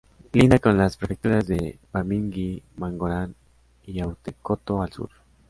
Linda con las prefecturas de Bamingui-Bangoran y Haute-Kotto al sur.